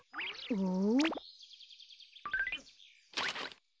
うん。